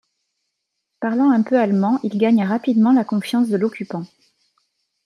Parlant un peu allemand, il gagne rapidement la confiance de l'occupant.